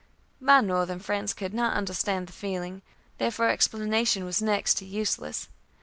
My Northern friends could not understand the feeling, therefore explanation was next to useless.